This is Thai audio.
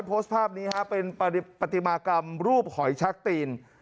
โพสต์ภาพนี้ฮะเป็นปฏิมากรรมรูปหอยชักตีน